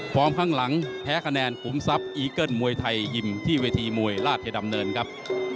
ข้างหลังแพ้คะแนนปุ๋มทรัพย์อีเกิ้ลมวยไทยยิมที่เวทีมวยราชดำเนินครับ